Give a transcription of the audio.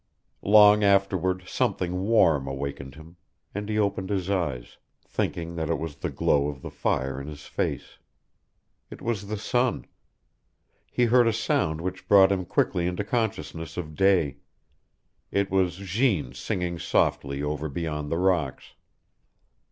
Long afterward something warm awakened him, and he opened his eyes, thinking that it was the glow of the fire in his face. It was the sun. He heard a sound which brought him quickly into consciousness of day. It was Jeanne singing softly over beyond the rocks.